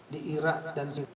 di iraq dan syria